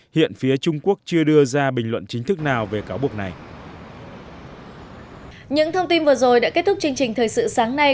hiện phía trung quốc chưa đưa ra bình luận chính thức nào về cáo buộc này